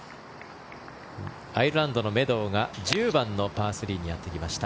アイルランドのメドウが１０番のパー３にやってきました。